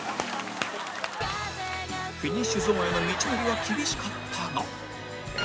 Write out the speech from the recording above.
フィニッシュゾーンへの道のりは厳しかったが